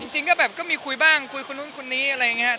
จริงก็แบบก็มีคุยบ้างคุยคนนู้นคนนี้อะไรอย่างนี้